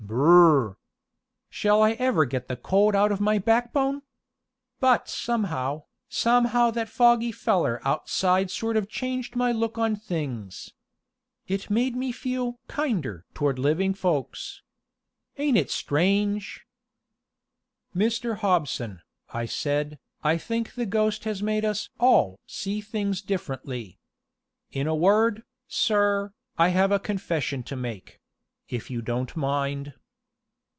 Br r r! Shall I ever get the cold out of my backbone? But somehow, somehow that foggy feller outside sort of changed my look on things. It made me feel kinder toward living folks. Ain't it strange!" "Mr. Hobson," I said, "I think the ghost has made us all see things differently. In a word, sir, I have a confession to make if you don't mind."